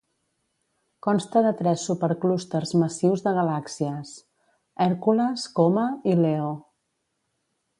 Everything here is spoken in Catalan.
Consta de tres superclústers massius de galàxies: Hercules, Coma i Leo.